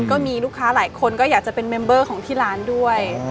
ก็มีลูกค้าหลายคนก็อยากจะเป็นเมมเบอร์ของที่ร้านด้วย